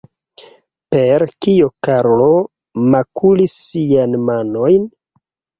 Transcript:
Per kio Karlo makulis siajn manojn?